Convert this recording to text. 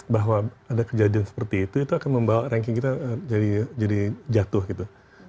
bahwa ada kejadian seperti itu itu akan membawa ranking kita jadi jatuh gitu